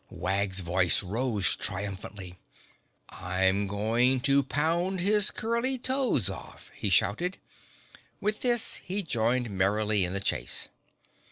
Wag's voice rose triumphantly. "I'm going to pound his curly toes off!" he shouted. With this he joined merrily in the chase.